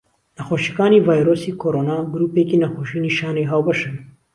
نەخۆشیەکانی ڤایرۆسی کۆڕۆنا گرووپێکی نەخۆشی نیشانەی هاوبەشن.